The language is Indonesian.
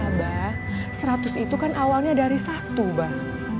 abah seratus itu kan awalnya dari satu bang